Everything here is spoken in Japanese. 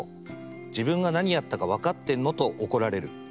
自分が何やったか分かってんの？』と怒られる。